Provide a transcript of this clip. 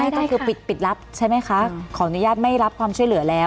ต้องคือปิดรับใช่ไหมคะขออนุญาตไม่รับความช่วยเหลือแล้ว